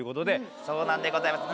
そうなんでございます！